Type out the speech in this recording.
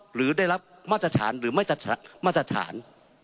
หรือได้รับมาตรฐานหรือไม่มาตรฐาน